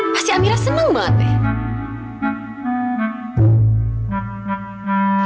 pasti amirah seneng banget deh